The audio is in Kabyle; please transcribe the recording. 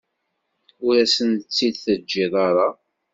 Ur asent-tt-id-teǧǧiḍ ara.